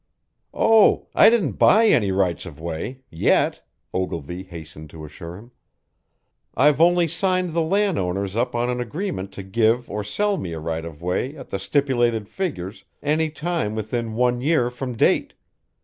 "Oh, I didn't buy any rights of way yet," Ogilvy hastened to assure him. "I've only signed the land owners up on an agreement to give or sell me a right of way at the stipulated figures any time within one year from date.